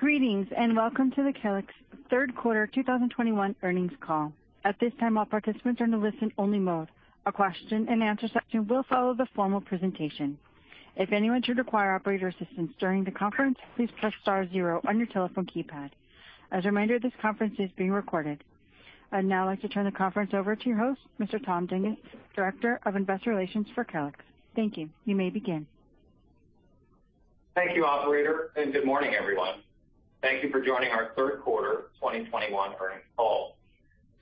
Greetings, and welcome to the Calix third quarter 2021 earnings call. At this time, all participants are in a listen-only mode. A question-and-answer session will follow the formal presentation. If anyone should require operator assistance during the conference, please press Star Zero on your telephone keypad. As a reminder, this conference is being recorded. I'd now like to turn the conference over to your host, Mr. Tom Dinges, Director of Investor Relations for Calix. Thank you. You may begin. Thank you, operator, and good morning, everyone. Thank you for joining our third quarter 2021 earnings call.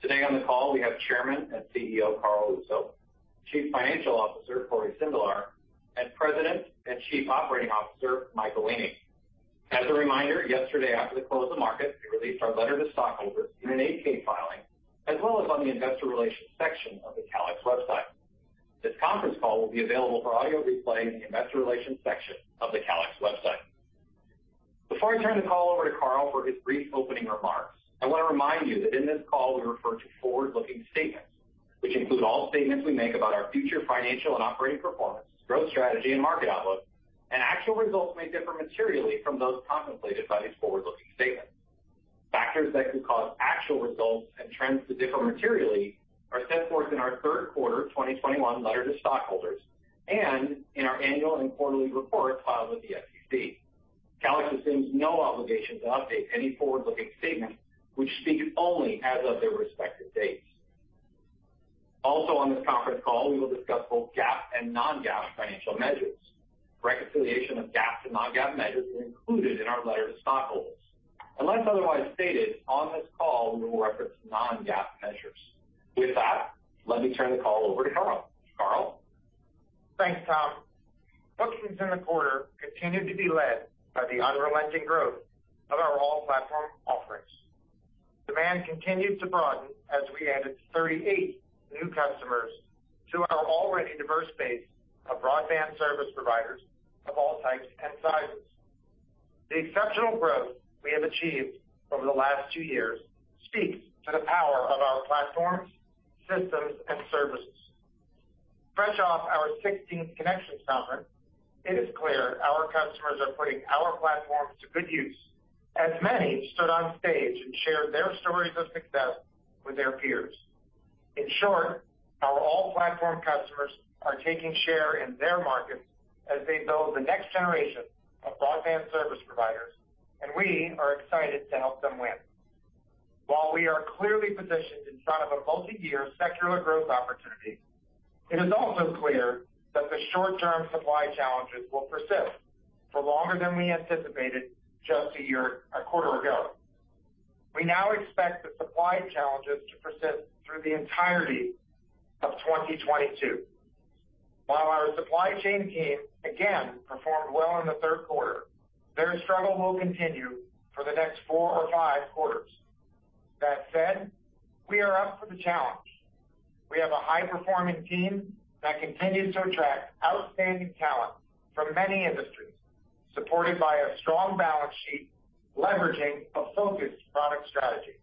Today on the call, we have Chairman and CEO, Carl Russo, Chief Financial Officer, Cory Sindelar, and President and Chief Operating Officer, Michael Weening. As a reminder, yesterday after the close of market, we released our letter to stockholders in an 8-K filing, as well as on the investor relations section of the Calix website. This conference call will be available for audio replay in the investor relations section of the Calix website. Before I turn the call over to Carl for his brief opening remarks, I want to remind you that in this call we refer to forward-looking statements, which include all statements we make about our future financial and operating performance, growth strategy, and market outlook, and actual results may differ materially from those contemplated by these forward-looking statements. Factors that could cause actual results and trends to differ materially are set forth in our third quarter 2021 letter to stockholders and in our annual and quarterly reports filed with the SEC. Calix assumes no obligation to update any forward-looking statements which speak only as of their respective dates. Also on this conference call, we will discuss both GAAP and non-GAAP financial measures. Reconciliation of GAAP to non-GAAP measures are included in our letter to stockholders. Unless otherwise stated, on this call, we will reference non-GAAP measures. With that, let me turn the call over to Carl. Carl. Thanks, Tom. Bookings in the quarter continued to be led by the unrelenting growth of our all-platform offerings. Demand continued to broaden as we added 38 new customers to our already diverse base of broadband service providers of all types and sizes. The exceptional growth we have achieved over the last two years speaks to the power of our platforms, systems and services. Fresh off our 16th ConneXions Summer, it is clear our customers are putting our platforms to good use as many stood on stage and shared their stories of success with their peers. In short, our all-platform customers are taking share in their markets as they build the next generation of broadband service providers, and we are excited to help them win. While we are clearly positioned in front of a multiyear secular growth opportunity, it is also clear that the short-term supply challenges will persist for longer than we anticipated just a year and a quarter ago. We now expect the supply challenges to persist through the entirety of 2022. While our supply chain team again performed well in the third quarter, their struggle will continue for the next four or five quarters. That said, we are up for the challenge. We have a high-performing team that continues to attract outstanding talent from many industries, supported by a strong balance sheet, leveraging a focused product strategy.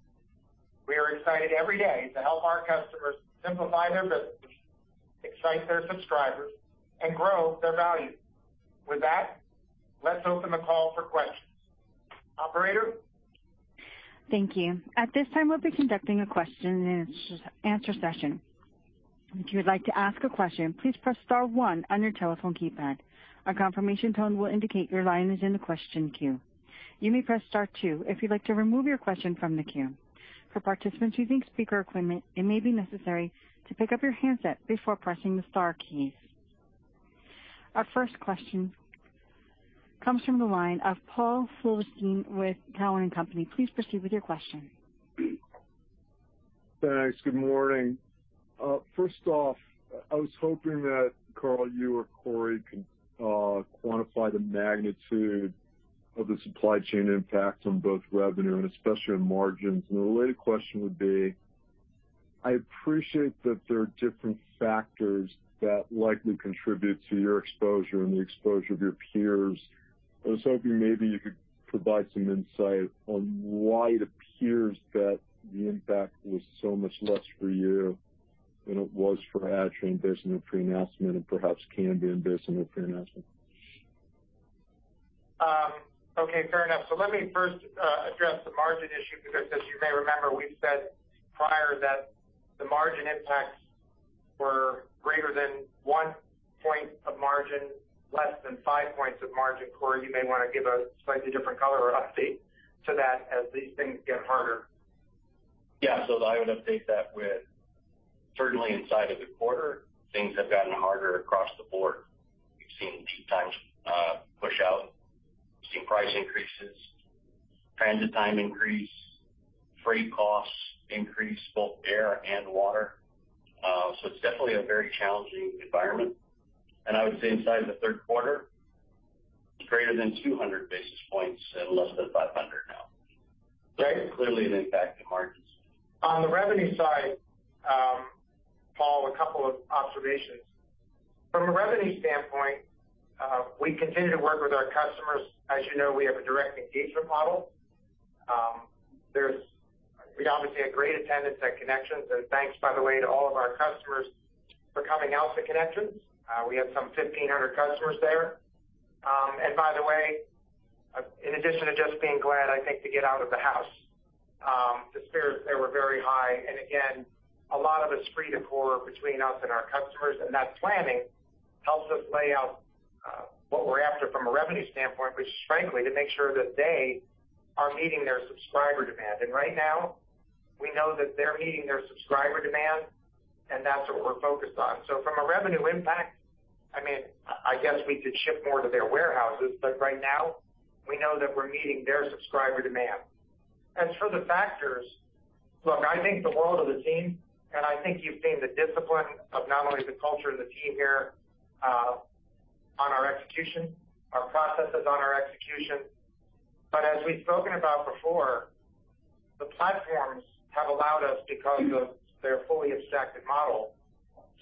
We are excited every day to help our customers simplify their businesses, excite their subscribers, and grow their value. With that, let's open the call for questions. Operator? Thank you. At this time, we'll be conducting a question and answer session. If you would like to ask a question, please press Star One on your telephone keypad. A confirmation tone will indicate your line is in the question queue. You may press Star Two if you'd like to remove your question from the queue. For participants using speaker equipment, it may be necessary to pick up your handset before pressing the Star key. Our first question comes from the line of Paul Silverstein with Cowen and Company. Please proceed with your question. Thanks. Good morning. First off, I was hoping that Carl, you or Cory can quantify the magnitude of the supply chain impact on both revenue and especially on margins. The related question would be, I appreciate that there are different factors that likely contribute to your exposure and the exposure of your peers. I was hoping maybe you could provide some insight on why it appears that the impact was so much less for you than it was for Adtran based on their pre-announcement and perhaps Cambium based on their pre-announcement. Okay, fair enough. Let me first address the margin issue, because as you may remember, we've said prior that the margin impacts were greater than 1 point of margin, less than 5 points of margin. Cory, you may want to give a slightly different color or update to that as these things get harder. Yeah. I would update that with certainly inside of the quarter, things have gotten harder across the board. We've seen lead times push out. We've seen price increases, transit time increase, freight costs increase, both air and water. It's definitely a very challenging environment. I would say inside the third quarter, it's greater than 200 basis points and less than 500 now. Right. Clearly an impact to margins. On the revenue side, Paul, a couple of observations. From a revenue standpoint, we continue to work with our customers. As you know, we have a direct engagement model. We obviously had great attendance at ConneXions, and thanks, by the way, to all of our customers for coming out to ConneXions. We had some 1,500 customers there. By the way, in addition to just being glad, I think, to get out of the house, the spirits there were very high. Again, a lot of it's free to core between us and our customers, and that planning helps us lay out what we're after from a revenue standpoint, which is frankly to make sure that they are meeting their subscriber demand. Right now, we know that they're meeting their subscriber demand, and that's what we're focused on. From a revenue impact, I mean, I guess we could ship more to their warehouses, but right now we know that we're meeting their subscriber demand. For the factors, look, I think the world of the team, and I think you've seen the discipline of not only the culture of the team here, on our execution and processes. As we've spoken about before, the platforms have allowed us, because of their fully abstracted model,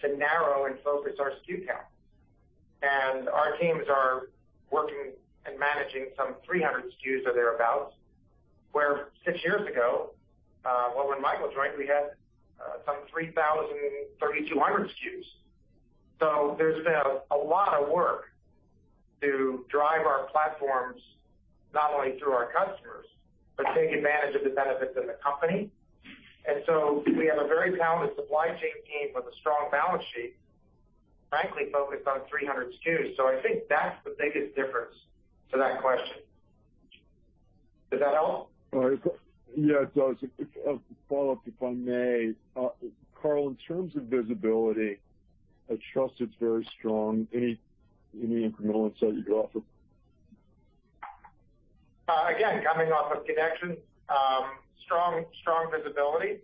to narrow and focus our SKU count. Our teams are working and managing some 300 SKUs or thereabout, where six years ago, well, when Mike was hired, we had some 3,000 SKUs-3,200 SKUs. There's been a lot of work to drive our platforms not only through our customers, but take advantage of the benefits of the company. We have a very talented supply chain team with a strong balance sheet, frankly, focused on 300 SKUs. I think that's the biggest difference to that question. Does that help? All right. Yeah, it does. A follow-up, if I may. Carl, in terms of visibility, I trust it's very strong. Any incremental insight you could offer? Again, coming off of ConneXions, strong visibility.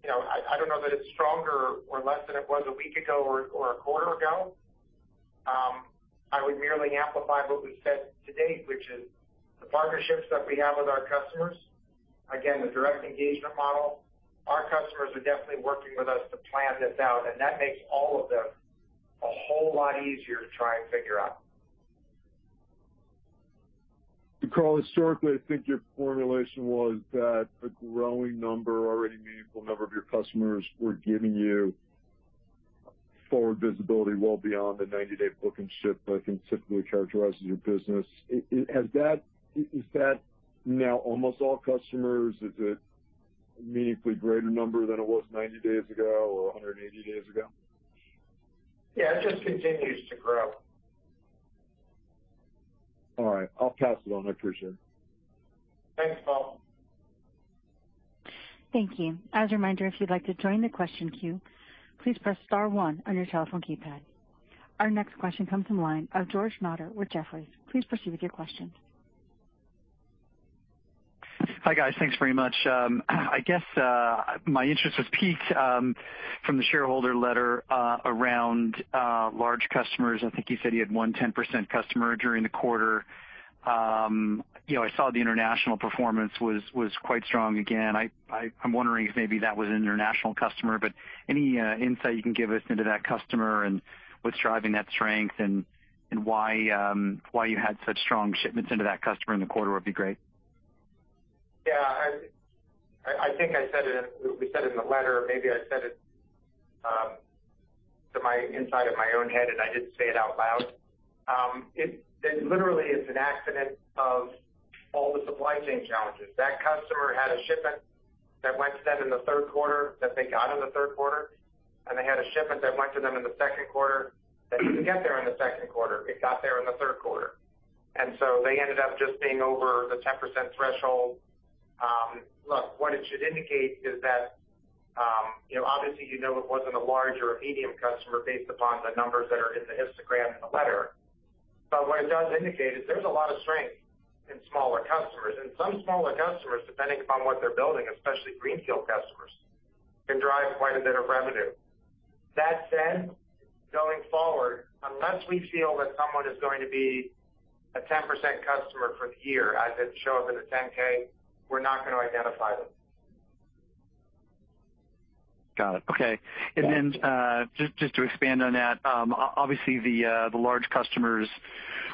You know, I don't know that it's stronger or less than it was a week ago or a quarter ago. I would merely amplify what we've said to date, which is the partnerships that we have with our customers. Again, the direct engagement model. Our customers are definitely working with us to plan this out, and that makes all of this a whole lot easier to try and figure out. Carl, historically, I think your formulation was that a growing number, already meaningful number of your customers were giving you forward visibility well beyond the 90-day book and ship I think typically characterizes your business. Has that? Is that now almost all customers? Is it meaningfully greater number than it was 90 days ago or 180 days ago? Yeah, it just continues to grow. All right. I'll pass it on to Tricia. Thanks, Paul. Thank you. As a reminder, if you'd like to join the question queue, please press Star One on your telephone keypad. Our next question comes from the line of George Notter with Jefferies. Please proceed with your question. Hey, guys. Thanks very much. I guess my interest was piqued from the shareholder letter around large customers. I think you said you had one 10% customer during the quarter. You know, I saw the international performance was quite strong again. I'm wondering if maybe that was an international customer, but any insight you can give us into that customer and what's driving that strength and why you had such strong shipments into that customer in the quarter would be great. Yeah. I think we said it in the letter, or maybe I said it to myself inside my own head, and I didn't say it out loud. It literally is an accident of all the supply chain challenges. That customer had a shipment that went to them in the third quarter that they got in the third quarter, and they had a shipment that went to them in the second quarter that didn't get there in the second quarter. It got there in the third quarter. They ended up just being over the 10% threshold. Look, what it should indicate is that, you know, obviously, you know, it wasn't a large or a medium customer based upon the numbers that are in the histogram in the letter. What it does indicate is there's a lot of strength in smaller customers. Some smaller customers, depending upon what they're building, especially greenfield customers, can drive quite a bit of revenue. That said, going forward, unless we feel that someone is going to be a 10% customer for the year, as it shows up in the 10-K, we're not gonna identify them. Got it. Okay. Yeah. Just to expand on that, obviously, the large customers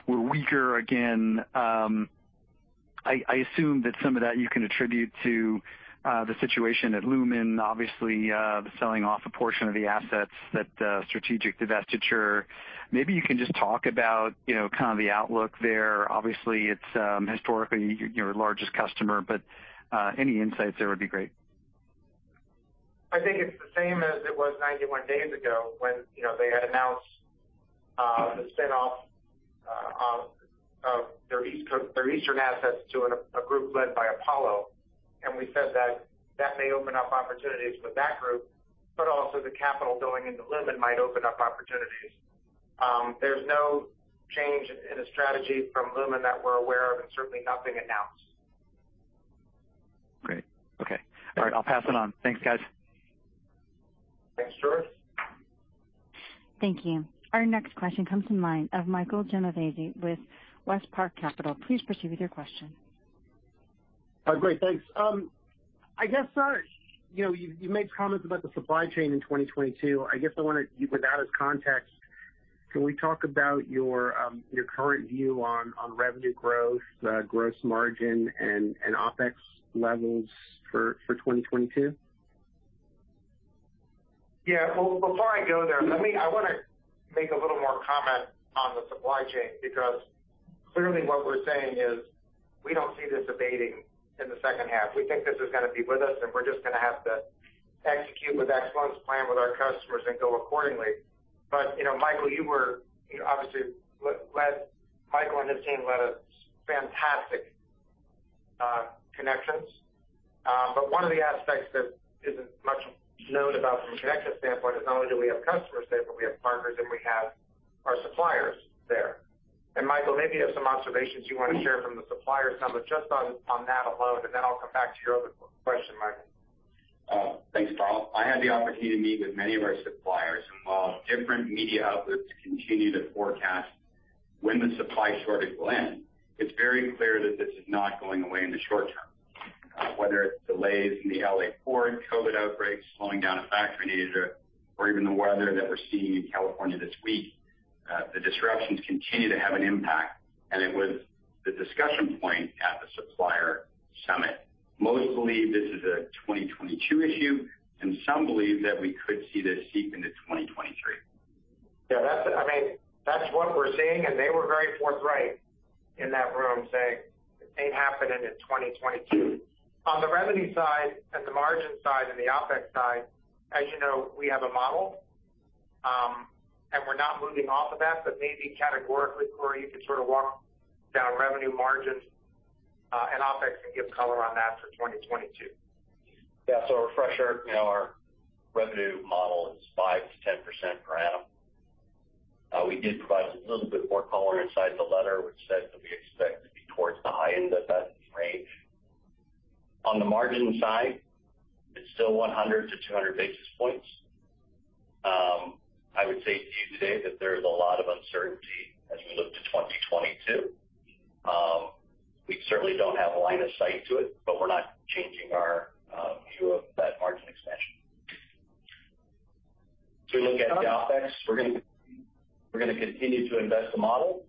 were weaker again. I assume that some of that you can attribute to the situation at Lumen, obviously, the selling off a portion of the assets, that strategic divestiture. Maybe you can just talk about, you know, kind of the outlook there. Obviously, it's historically your largest customer, but any insights there would be great. I think it's the same as it was 91 days ago when, you know, they had announced the spin-off of their eastern assets to a group led by Apollo. We said that that may open up opportunities with that group, but also the capital going into Lumen might open up opportunities. There's no change in the strategy from Lumen that we're aware of, and certainly nothing announced. Great. Okay. All right. I'll pass it on. Thanks, guys. Thanks, George. Thank you. Our next question comes from the line of Michael Genovese with WestPark Capital. Please proceed with your question. Great. Thanks. I guess, you know, you made comments about the supply chain in 2022. I guess I wonder, with that as context Can we talk about your current view on revenue growth, gross margin and OpEx levels for 2022? Yeah. Well, before I go there, let me I wanna make a little more comment on the supply chain because clearly what we're saying is we don't see this abating in the second half. We think this is gonna be with us, and we're just gonna have to execute with excellence, plan with our customers and go accordingly. But, you know, Michael and his team led a fantastic ConneXions. But one of the aspects that isn't much known about from a ConneXions standpoint is not only do we have customers there, but we have partners, and we have our suppliers there. Michael, maybe you have some observations you wanna share from the supplier summit just on that alone, and then I'll come back to your other question, Michael. Thanks, Carl. I had the opportunity to meet with many of our suppliers. While different media outlets continue to forecast when the supply shortage will end, it's very clear that this is not going away in the short term. Whether it's delays in the L.A. port, COVID outbreaks, slowing down a factory in Asia, or even the weather that we're seeing in California this week, the disruptions continue to have an impact, and it was the discussion point at the supplier summit. Most believe this is a 2022 issue, and some believe that we could see this seep into 2023. Yeah, I mean, that's what we're seeing, and they were very forthright in that room saying it ain't happening in 2022. On the revenue side and the margin side and the OpEx side, as you know, we have a model, and we're not moving off of that, but maybe categorically, Cory, you can sort of walk down revenue margins, and OpEx and give color on that for 2022. Yeah. A refresher, you know, our revenue model is 5%-10% per annum. We did provide a little bit more color inside the letter, which said that we expect to be towards the high end of that range. On the margin side, it's still 100 basis points-200 basis points. I would say to you today that there's a lot of uncertainty as we look to 2022. We certainly don't have a line of sight to it, but we're not changing our view of that margin expansion. If you look at the OpEx, we're gonna continue to invest the model.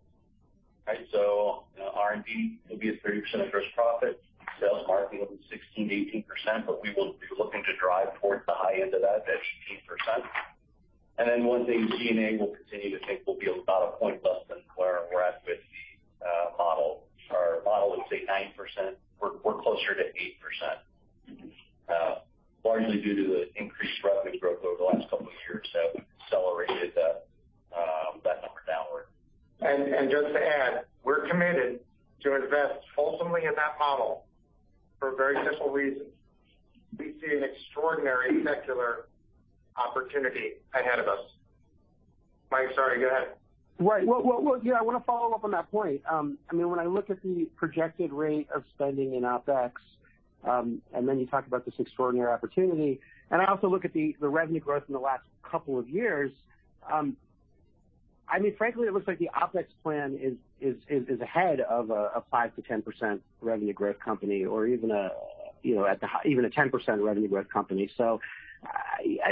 Right? You know, R&D will be at 30% of gross profit. Sales, marketing will be 16%-18%, but we will be looking to drive towards the high end of that 16%. One thing, G&A will continue to think will be about a point less than where we're at with the model. Our model would say 9%. We're closer to 8%, largely due to the increased revenue growth over the last couple of years that accelerated that number downward. just to add, we're committed to invest fulsomely in that model for a very simple reason. We see an extraordinary secular opportunity ahead of us. Mike, sorry. Go ahead. Right. Well, yeah, I want to follow up on that point. I mean, when I look at the projected rate of spending in OpEx, and then you talk about this extraordinary opportunity, and I also look at the revenue growth in the last couple of years, I mean, frankly, it looks like the OpEx plan is ahead of a 5%-10% revenue growth company or even a, you know, even a 10% revenue growth company.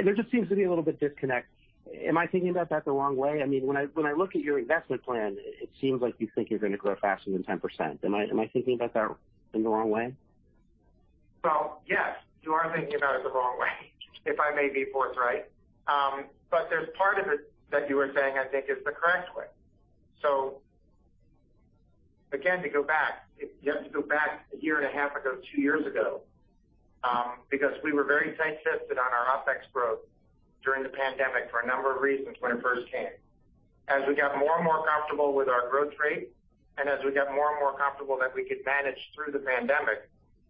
There just seems to be a little bit disconnect. Am I thinking about that the wrong way? I mean, when I look at your investment plan, it seems like you think you're gonna grow faster than 10%. Am I thinking about that the wrong way? Well, yes, you are thinking about it the wrong way, if I may be forthright. There's part of it that you were saying, I think, is the correct way. Again, to go back, you have to go back a year and a half ago, two years ago, because we were very tight-fisted on our OpEx growth during the pandemic for a number of reasons when it first came. As we got more and more comfortable with our growth rate, and as we got more and more comfortable that we could manage through the pandemic,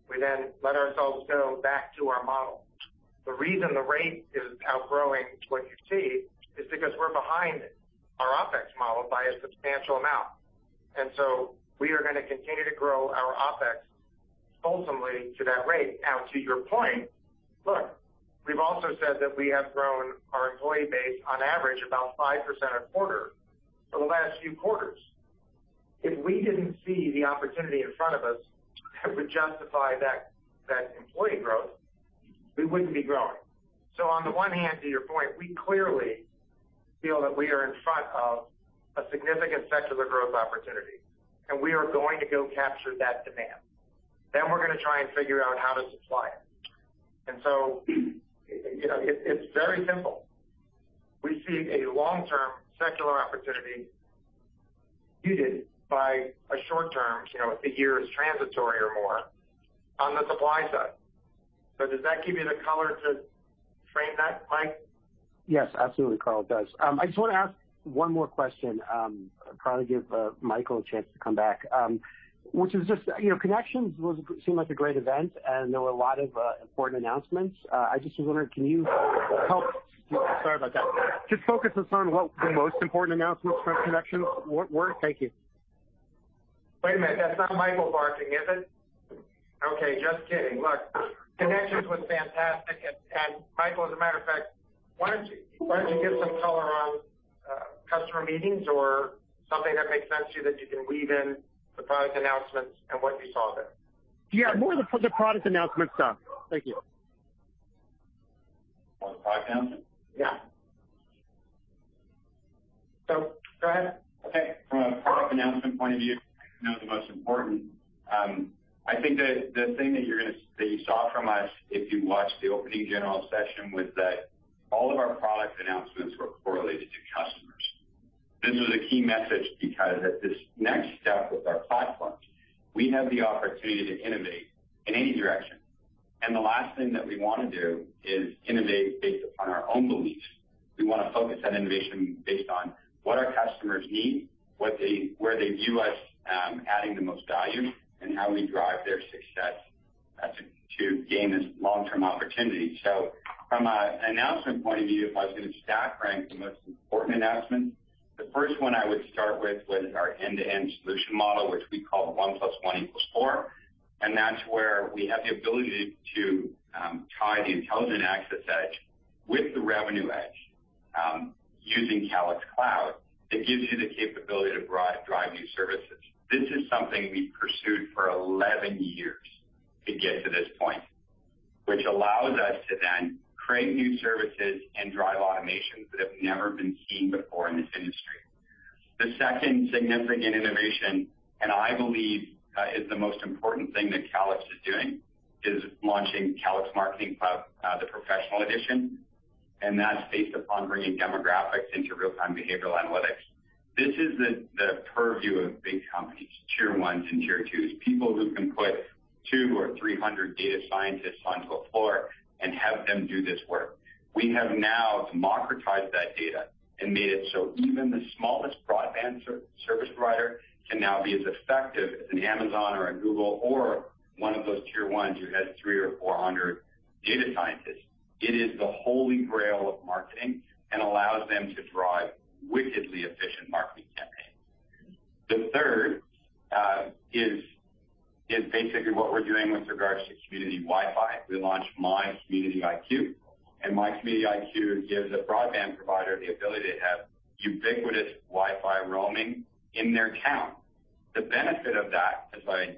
we then let ourselves go back to our model. The reason the rate is outgrowing what you see is because we're behind our OpEx model by a substantial amount. We are gonna continue to grow our OpEx fulsomely to that rate. Now to your point, look, we've also said that we have grown our employee base on average about 5% a quarter for the last few quarters. If we didn't see the opportunity in front of us that would justify that employee growth, we wouldn't be growing. On the one hand, to your point, we clearly feel that we are in front of a significant secular growth opportunity, and we are going to go capture that demand. We're gonna try and figure out how to supply it. You know, it's very simple. We see a long-term secular opportunity muted by a short-term, you know, a year is transitory or more, on the supply side. Does that give you the color to frame that, Mike? Yes, absolutely, Carl, it does. I just wanna ask one more question, probably give Michael a chance to come back. Which is just, you know, ConneXions seemed like a great event, and there were a lot of important announcements. I just was wondering, just focus us on what the most important announcements from ConneXions were. Thank you. Wait a minute. That's not Michael barking, is it? Okay, just kidding. Look, ConneXions was fantastic. Michael, as a matter of fact, why don't you give some color on customer meetings or something that makes sense to you that you can weave in the product announcements and what you saw there? Yeah, more the product announcement stuff. Thank you. On the product announcement? Yeah. Go ahead. Okay. From a product announcement point of view, you know the most important, I think that the thing that you saw from us, if you watched the opening general session, was that all of our product announcements were correlated to customers. This was a key message because at this next step with our platform, we have the opportunity to innovate in any direction. The last thing that we want to do is innovate based upon our own beliefs. We want to focus on innovation based on what our customers need, where they view us adding the most value, and how we drive their success to gain this long-term opportunity. From an announcement point of view, if I was going to stack rank the most important announcement, the first one I would start with was our end-to-end solution model, which we call one plus one equals four. That's where we have the ability to tie the Intelligent Access EDGE with the Revenue EDGE using Calix Cloud. It gives you the capability to drive new services. This is something we pursued for 11 years to get to this point, which allows us to then create new services and drive automations that have never been seen before in this industry. The second significant innovation, and I believe, is the most important thing that Calix is doing, is launching Calix Marketing Cloud, the Professional Edition, and that's based upon bringing demographics into real-time behavioral analytics. This is the purview of big companies, Tier 1s and Tier 2s, people who can put 200 or 300 data scientists onto a floor and have them do this work. We have now democratized that data and made it so even the smallest broadband service provider can now be as effective as an Amazon or a Google or one of those Tier 1s who has 300 or 400 data scientists. It is the holy grail of marketing and allows them to drive wickedly efficient marketing campaigns. The third is basically what we're doing with regards to community Wi-Fi. We launched My Community IQ, and My Community IQ gives a broadband provider the ability to have ubiquitous Wi-Fi roaming in their town. The benefit of that, as I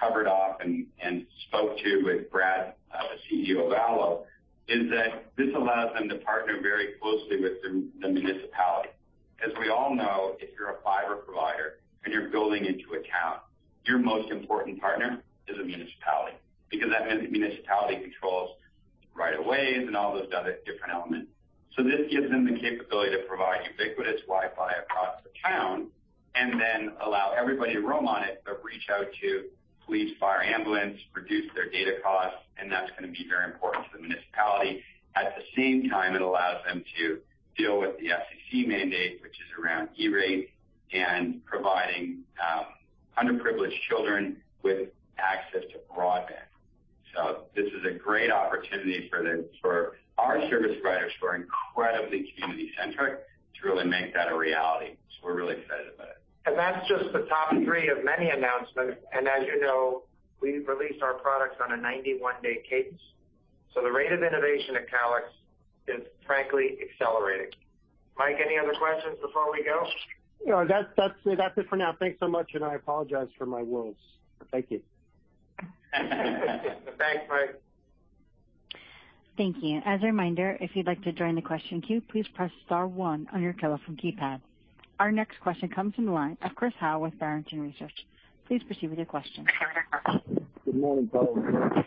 covered off and spoke to with Brad, the CEO of ALLO, is that this allows them to partner very closely with the municipality. As we all know, if you're a fiber provider and you're building into a town, your most important partner is a municipality because that municipality controls right-of-ways and all those other different elements. This gives them the capability to provide ubiquitous Wi-Fi across the town and then allow everybody to roam on it, but reach out to police, fire, ambulance, reduce their data costs, and that's going to be very important to the municipality. At the same time, it allows them to deal with the FCC mandate, which is around E-Rate and providing underprivileged children with access to broadband. This is a great opportunity for our service providers who are incredibly community-centric to really make that a reality. We're really excited about it. That's just the top three of many announcements. As you know, we release our products on a 91-day cadence. The rate of innovation at Calix is frankly accelerating. Mike, any other questions before we go? No, that's it for now. Thanks so much, and I apologize for my wolves. Thank you. Thanks, Mike. Thank you. As a reminder, if you'd like to join the question queue, please press Star One on your telephone keypad. Our next question comes from the line of Chris Howe with Barrington Research. Please proceed with your question. Good morning, Chris.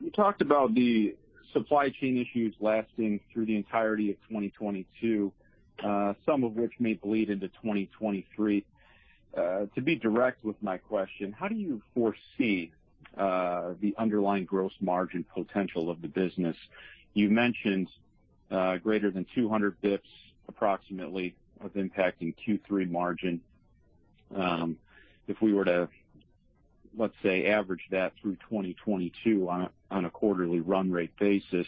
You talked about the supply chain issues lasting through the entirety of 2022, some of which may bleed into 2023. To be direct with my question, how do you foresee the underlying gross margin potential of the business? You mentioned greater than 200 basis points approximately of impacting Q3 margin. If we were to, let's say, average that through 2022 on a quarterly run rate basis,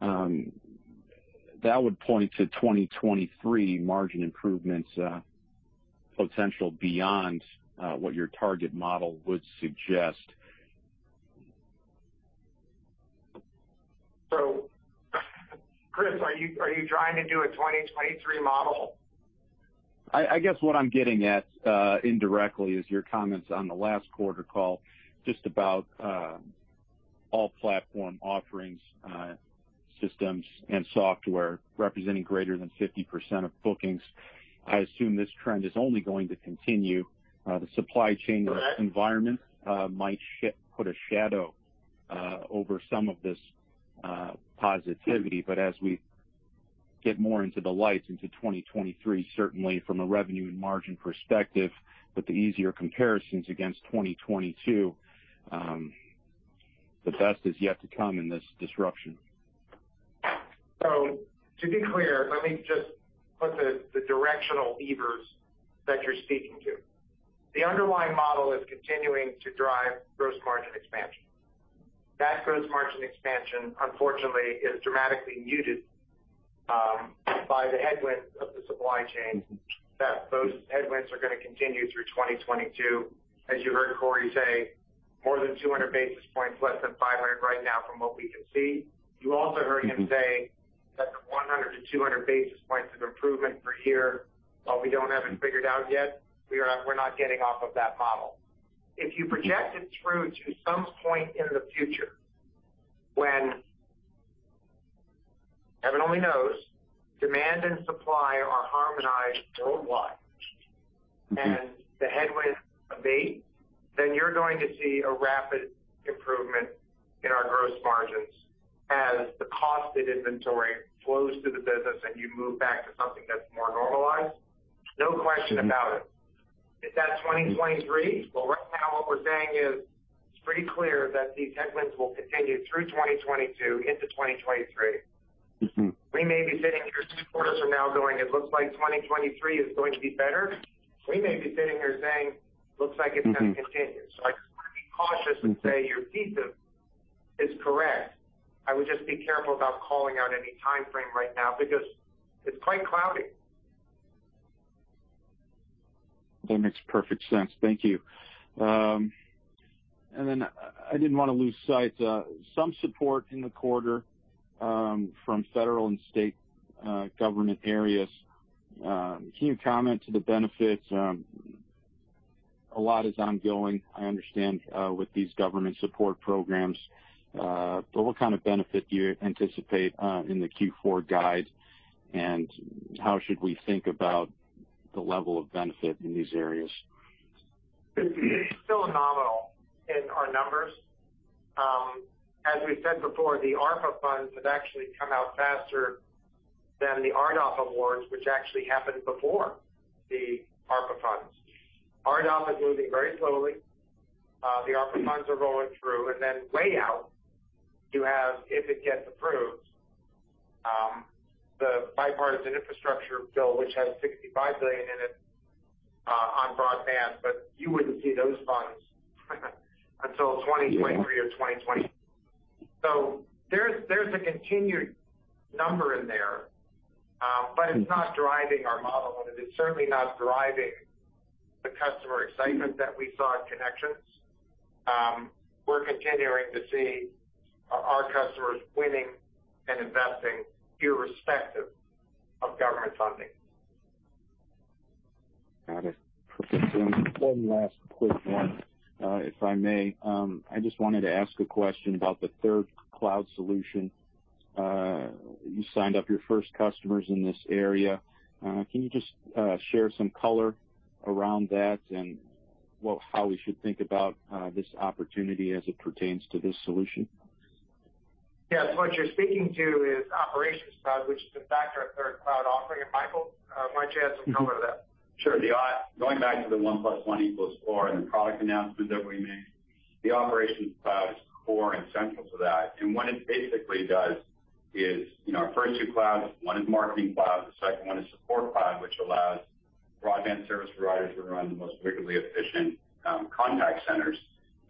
that would point to 2023 margin improvements potential beyond what your target model would suggest. Chris, are you trying to do a 2023 model? I guess what I'm getting at indirectly is your comments on the last quarter call, just about all platform offerings, systems and software representing greater than 50% of bookings. I assume this trend is only going to continue. The supply chain environment might put a shadow over some of this positivity. As we get more into the light into 2023, certainly from a revenue and margin perspective, with the easier comparisons against 2022, the best is yet to come in this disruption. To be clear, let me just put the directional levers that you're speaking to. The underlying model is continuing to drive gross margin expansion. That gross margin expansion, unfortunately, is dramatically muted by the headwinds of the supply chain, that those headwinds are going to continue through 2022. As you heard Cory say, more than 200 basis points, less than 500 right now from what we can see. You also heard him say, 200 basis points of improvement per year. While we don't have it figured out yet, we are not getting off of that model. If you project it through to some point in the future when, heaven only knows, demand and supply are harmonized worldwide and the headwinds abate, then you're going to see a rapid improvement in our gross margins as the cost of inventory flows through the business and you move back to something that's more normalized. No question about it. Is that 2023? Well, right now what we're saying is it's pretty clear that these headwinds will continue through 2022 into 2023. We may be sitting here two quarters from now going, it looks like 2023 is going to be better. We may be sitting here saying, looks like it's going to continue. I just want to be cautious and say your thesis is correct. I would just be careful about calling out any timeframe right now because it's quite cloudy. That makes perfect sense. Thank you. I didn't want to lose sight. Some support in the quarter, from federal and state, government areas. Can you comment on the benefits? A lot is ongoing, I understand, with these government support programs. What kind of benefit do you anticipate, in the Q4 guide, and how should we think about the level of benefit in these areas? It's still nominal in our numbers. As we said before, the ARPA funds have actually come out faster than the RDOF awards, which actually happened before the ARPA funds. RDOF is moving very slowly. The ARPA funds are going through. Way out, you have, if it gets approved, the bipartisan infrastructure bill, which has $65 billion in it, on broadband, but you wouldn't see those funds until 2023 or 2020. There's a continued number in there, but it's not driving our model, and it is certainly not driving the customer excitement that we saw in ConneXions. We're continuing to see our customers winning and investing irrespective of government funding. Got it. Perfect. One last quick one, if I may. I just wanted to ask a question about the third cloud solution. You signed up your first customers in this area. Can you just share some color around that and how we should think about this opportunity as it pertains to this solution? Yes. What you're speaking to is Operations Cloud, which is, in fact, our third cloud offering. Michael, why don't you add some color to that? Sure. Going back to the one plus one equals four in the product announcement that we made, the Operations Cloud is core and central to that. What it basically does is, you know, our first two clouds, one is Marketing Cloud, the second one is Support Cloud, which allows broadband service providers to run the most rigidly efficient contact centers.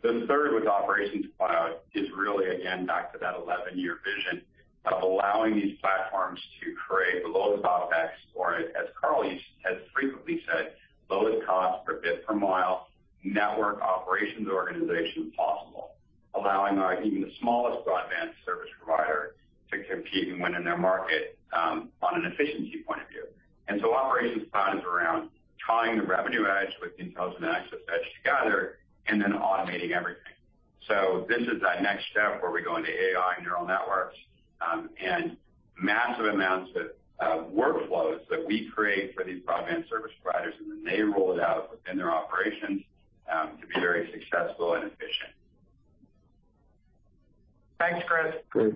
The third, with Operations Cloud, is really, again, back to that 11 year vision of allowing these platforms to create the lowest OpEx or, as Carl has frequently said, lowest cost per bit per mile network operations organization possible, allowing our even the smallest broadband service provider to compete and win in their market on an efficiency point of view. Operations Cloud is around tying the Revenue EDGE with the Intelligent Access EDGE together and then automating everything. This is that next step where we go into AI neural networks and massive amounts of workflows that we create for these broadband service providers, and then they roll it out within their operations to be very successful and efficient. Thanks, Chris. Great.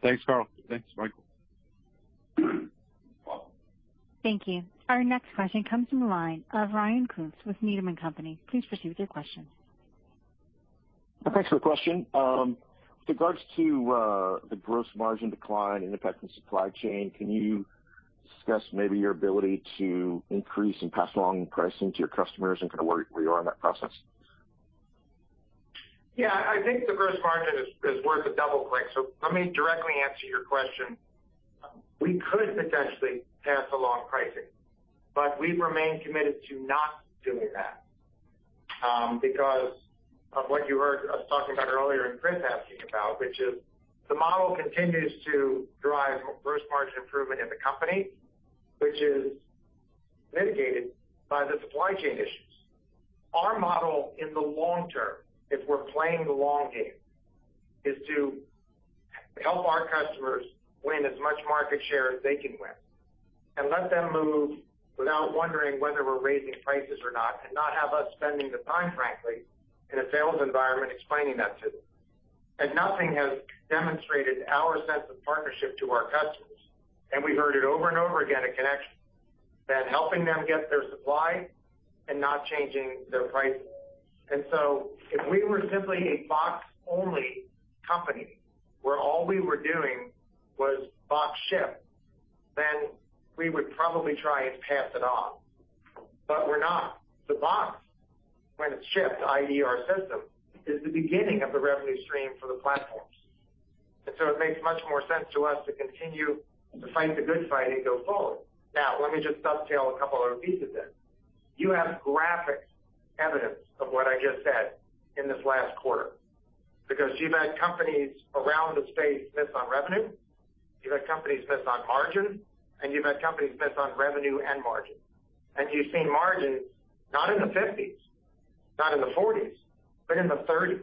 Thanks, Carl. Thanks, Michael. Welcome. Thank you. Our next question comes from the line of Ryan Koontz with Needham & Company. Please proceed with your question. Thanks for the question. With regards to the gross margin decline and the impact on supply chain, can you discuss maybe your ability to increase and pass along pricing to your customers and kind of where you are in that process? Yeah. I think the gross margin is worth a double click. Let me directly answer your question. We could potentially pass along pricing, but we've remained committed to not doing that, because of what you heard us talking about earlier and Chris asking about, which is the model continues to drive gross margin improvement in the company, which is mitigated by the supply chain issues. Our model in the long term, if we're playing the long game, is to help our customers win as much market share as they can win and let them move without wondering whether we're raising prices or not, and not have us spending the time, frankly, in a sales environment explaining that to them. Nothing has demonstrated our sense of partnership to our customers, and we've heard it over and over again at ConneXions, than helping them get their supply and not changing their pricing. If we were simply a box-only company where all we were doing was box ship, then we would probably try and pass it off. We're not. The box, when it's shipped, i.e. our system, is the beginning of the revenue stream for the platforms. It makes much more sense to us to continue to fight the good fight and go forward. Now, let me just dovetail a couple other pieces in. You have graphic evidence of what I just said in this last quarter, because you've had companies around the space miss on revenue, you've had companies miss on margin, and you've had companies miss on revenue and margin. You've seen margins not in the 50s%, not in the 40s%, but in the 30s%.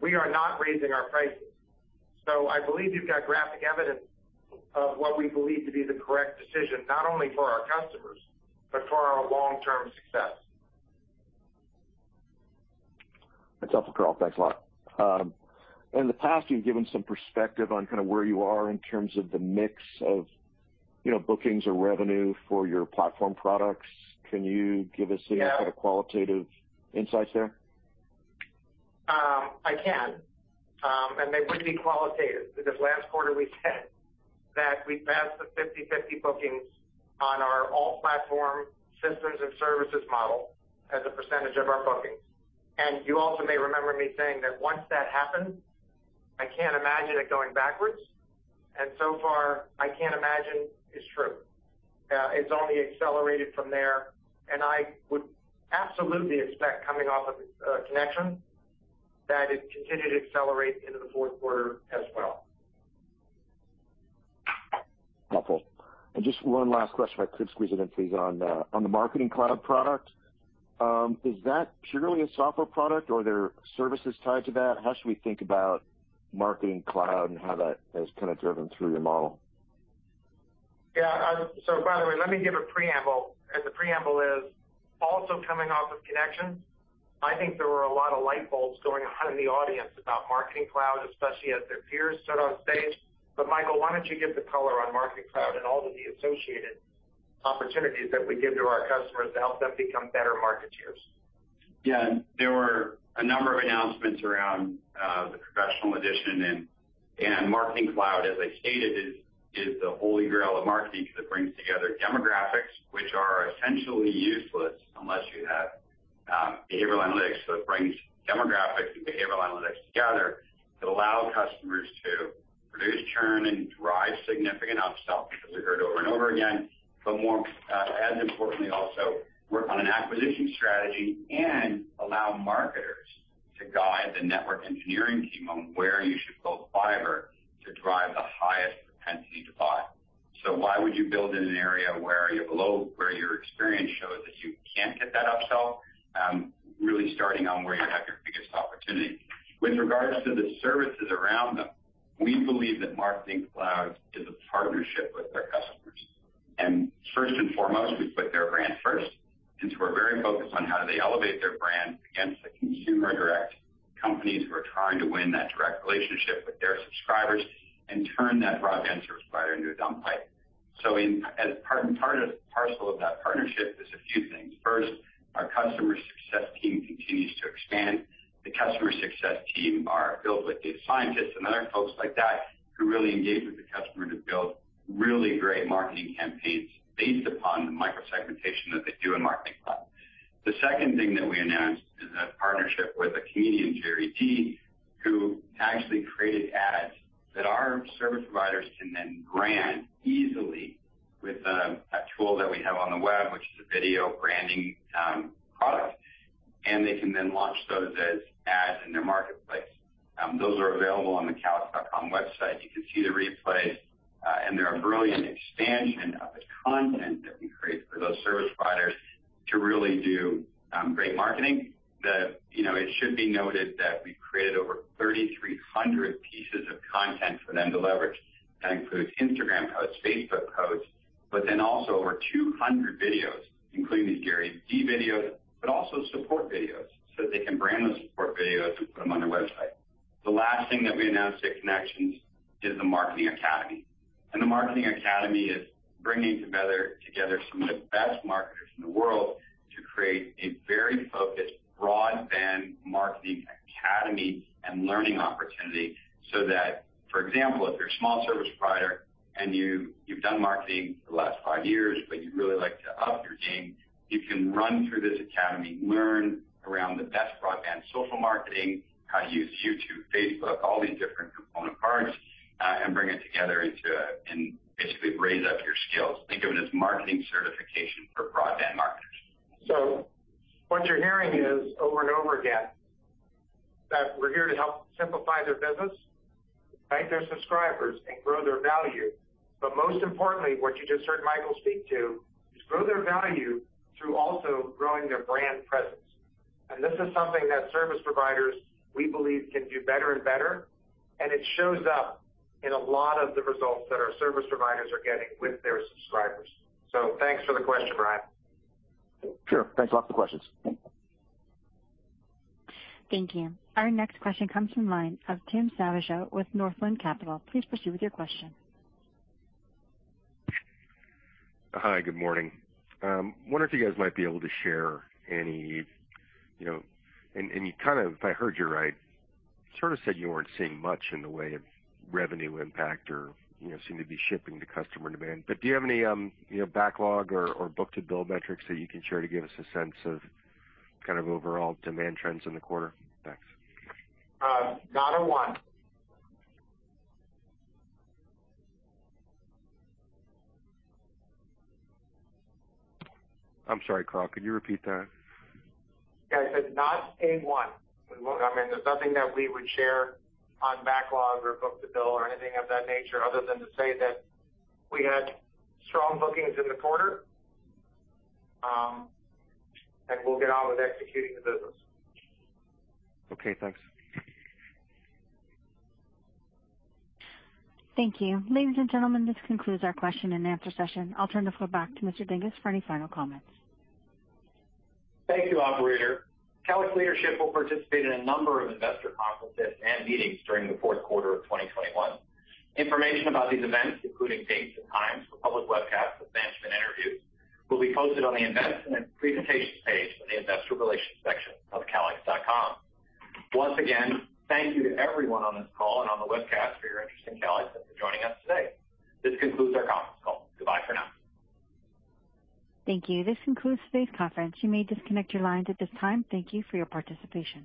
We are not raising our prices. I believe you've got graphic evidence of what we believe to be the correct decision, not only for our customers, but for our long-term success. That's helpful, Carl. Thanks a lot. In the past, you've given some perspective on kind of where you are in terms of the mix of, you know, bookings or revenue for your platform products. Can you give us any? Yeah. kind of qualitative insights there? It really can be qualitative because last quarter we said that we passed the 50/50 bookings on our all-platform systems and services model as a percentage of our bookings. You also may remember me saying that once that happens, I can't imagine it going backwards. So far, I can't imagine is true. It's only accelerated from there. I would absolutely expect coming off of ConneXions that it continued to accelerate into the fourth quarter as well. Helpful. Just one last question if I could squeeze it in, please, on the Marketing Cloud product. Is that purely a software product or are there services tied to that? How should we think about Marketing Cloud and how that has kind of driven through your model? By the way, let me give a preamble, and the preamble is also coming off of ConneXions. I think there were a lot of light bulbs going on in the audience about Marketing Cloud, especially as their peers stood on stage. Michael, why don't you give the color on Marketing Cloud and all of the associated opportunities that we give to our customers to help them become better marketeers. Yeah. There were a number of announcements around the Professional Edition and Marketing Cloud. As I stated, Marketing Cloud is the holy grail of marketing because it brings together demographics, which are essentially useless unless you have behavioral analytics. It brings demographics and behavioral analytics together. It allows customers to reduce churn and drive significant upsell, which we heard over and over again, but more importantly, also work on an acquisition strategy and allow marketers to guide the network engineering team on where you should build fiber to drive the highest propensity to buy. Why would you build in an area where your experience shows that you can't get that upsell, really starting on where you have your biggest opportunity. With regards to the services around them, we believe that Marketing Cloud is a partnership with their customers. First and foremost, we put their brand first, since we're very focused on how do they elevate their brand against the consumer direct companies who are trying to win that direct relationship with their subscribers and turn that broadband service provider into a dumb pipe. As part and parcel of that partnership is a few things. First, our customer success team continues to expand. The customer success team are built with data scientists and other folks like that who really engage with the customer to build really great marketing campaigns based upon the micro-segmentation that they do in Marketing Cloud. The second thing that we announced is a partnership with a comedian, GaryVee, who actually created ads that our service providers can then brand easily with a tool that we have on the web, which is a video branding product, and they can then launch those as ads in their marketplace. Those are available on the calix.com website. You can see the replay, and they're a brilliant expansion of the content that we create for those service providers to really do great marketing. You know, it should be noted that we created over 3,300 pieces of content for them to leverage. That includes Instagram posts, Facebook posts, but then also over 200 videos, including these GaryVee videos, but also support videos, so that they can brand those support videos and put them on their website. The last thing that we announced at ConneXions is the Marketing Academy. The Marketing Academy is bringing together together some of the best marketers in the world to create a very focused broadband marketing academy and learning opportunity so that, for example, if you're a small service provider and you've done marketing for the last five years, but you'd really like to up your game, you can run through this academy, learn around the best broadband social marketing, how to use YouTube, Facebook, all these different component parts, and bring it together into a and basically raise up your skills. Think of it as marketing certification for broadband marketers. What you're hearing is over and over again, that we're here to help simplify their business, thank their subscribers and grow their value. Most importantly, what you just heard Michael speak to is grow their value through also growing their brand presence. This is something that service providers, we believe, can do better and better. It shows up in a lot of the results that our service providers are getting with their subscribers. Thanks for the question, Ryan. Sure. Thanks a lot for the questions. Thank you. Thank you. Our next question comes from the line of Tim Savageaux with Northland Capital. Please proceed with your question. Hi, good morning. Wonder if you guys might be able to share any, you know, if I heard you right, you sort of said you weren't seeing much in the way of revenue impact or, you know, seem to be shipping to customer demand. Do you have any, you know, backlog or book-to-bill metrics that you can share to give us a sense of kind of overall demand trends in the quarter? Thanks. Not a one. I'm sorry, Carl, could you repeat that? Yeah. I said, not a one. I mean, there's nothing that we would share on backlog or book-to-bill or anything of that nature other than to say that we had strong bookings in the quarter, and we'll get on with executing the business. Okay, thanks. Thank you. Ladies and gentlemen, this concludes our question and answer session. I'll turn the floor back to Mr. Dinges for any final comments. Thank you, operator. Calix leadership will participate in a number of investor conferences and meetings during the fourth quarter of 2021. Information about these events, including dates and times for public webcasts with management interviews, will be posted on the Investment Presentations page in the Investor Relations section of calix.com. Once again, thank you to everyone on this call and on the webcast for your interest in Calix and for joining us today. This concludes our conference call. Goodbye for now. Thank you. This concludes today's conference. You may disconnect your lines at this time. Thank you for your participation.